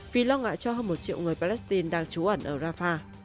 vì lo ngại cho hơn một triệu người palestine đang trú ẩn ở rafah